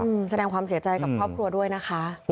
อืมแสดงความเสียใจกับครอบครัวด้วยนะคะ